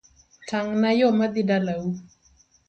Tang na yoo madhii dalau